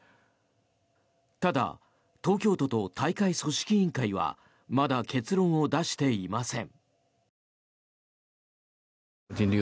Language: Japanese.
ただ、東京都と大会組織委員会はまだ結論を出していません。